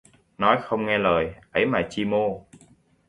Nói không nghe lời, ấy mà chi mô